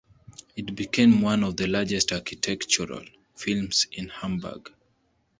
It became one of the largest architectural firms in Hamburg.